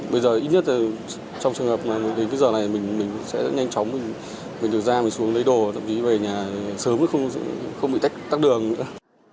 bây giờ ít nhất trong trường hợp đến giờ này mình sẽ rất nhanh chóng mình được ra mình xuống lấy đồ thậm chí về nhà sớm không bị tắt đường nữa